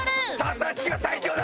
佐々木が最強だ！